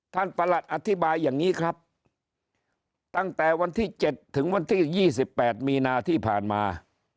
ประหลัดอธิบายอย่างนี้ครับตั้งแต่วันที่๗ถึงวันที่๒๘มีนาที่ผ่านมา